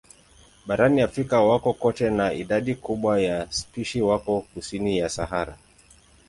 Barani Afrika wako kote na idadi kubwa ya spishi wako kusini ya Sahara.